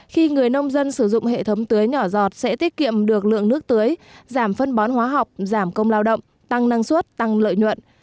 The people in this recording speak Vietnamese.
khi người nông dân sử dụng hệ thống tưới nhỏ giọt sẽ tiết kiệm được lượng nước tưới giảm phân bón hóa học giảm công lao động tăng năng suất tăng lợi nhuận